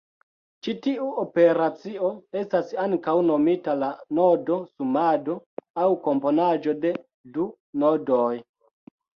Ĉi tiu operacio estas ankaŭ nomita la nodo-sumado aŭ komponaĵo de du nodoj.